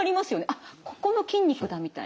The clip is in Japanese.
「あっここの筋肉だ」みたいな。